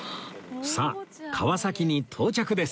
さあ川崎に到着です